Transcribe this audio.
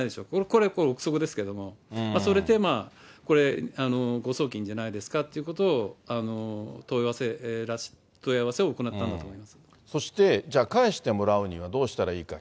これ、臆測ですけれども、それでこれ、誤送金じゃないですかということを問い合わせを行ったんだと思いそして、じゃあ、返してもらうにはどうしたらいいか。